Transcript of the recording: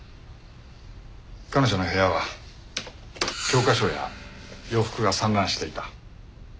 彼女の部屋は教科書や洋服が散乱していた。